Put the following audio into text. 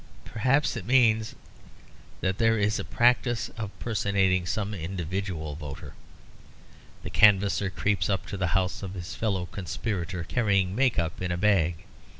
Perhaps it means that there is a practice of personating some individual voter. The canvasser creeps to the house of his fellow conspirator carrying a make up in a bag.